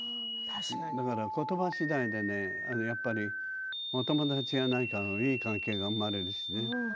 だからことばしだいでねやっぱりお友達や何かのいい関係が生まれるしね。